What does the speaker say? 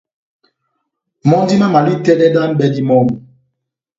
Mɔ́ndí mámavalɛ́ni itɛ́dɛ dá m’bɛ́dí mɔmu.